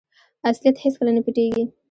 اصلیت هیڅکله نه پټیږي.